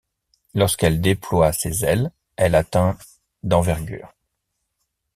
Lorsqu'elle déploie ses ailes, elle atteint d'envergure.